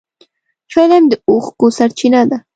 فلم د اوښکو سرچینه ده